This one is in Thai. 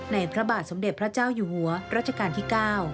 พระบาทสมเด็จพระเจ้าอยู่หัวรัชกาลที่๙